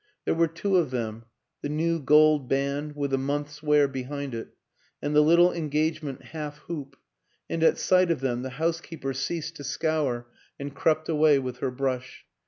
There were two of them the new gold band, with a month's wear be hind it, and the little engagement half hoop and at sight of them the housekeeper ceased to scour and crept away with her brush.